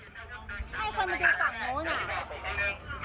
ให้ควันมาดูฝั่งโมงนะ